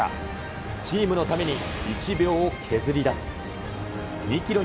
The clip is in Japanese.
チームのために１秒を削り出す。